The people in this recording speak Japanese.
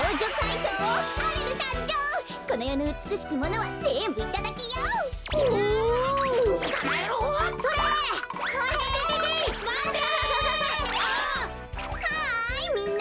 はいみんな！